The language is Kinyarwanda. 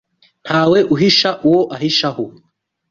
Ntawe uhisha uwo ahishaho